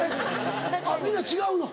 みんな違うの？